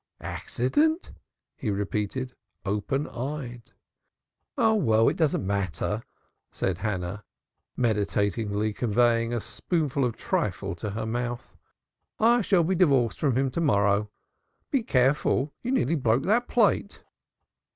"Accident!" he repeated, open eyed. "Ah, well, it doesn't matter," said Hannah, meditatively conveying a spoonful of trifle to her mouth. "I shall be divorced from him to morrow. Be careful! You nearly broke that plate."